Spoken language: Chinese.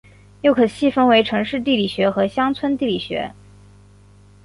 又可细分为城市地理学和乡村地理学。